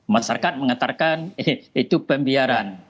masyarakat mengantarkan itu pembiaran